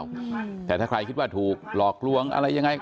อืมแต่ถ้าใครคิดว่าถูกหลอกลวงอะไรยังไง